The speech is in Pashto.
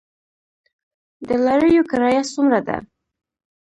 د لاریو کرایه څومره ده؟